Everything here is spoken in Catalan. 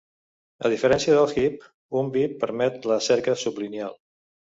A diferència del heap, un beap permet la cerca sublineal.